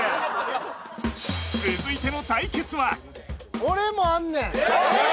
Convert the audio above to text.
続いての対決はえっ！？